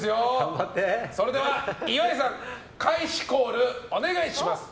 それでは岩井さん開始コールお願いします。